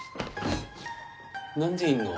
何でいんの？